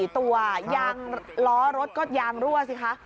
๔ตัวยางล้อรถก็ยางรั่วสิคะ